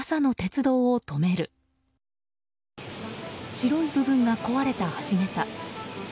白い部分が壊れた橋げた。